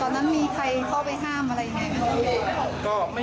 นั้นมีใครเข้าไปห้ามอะไรยังไงไหม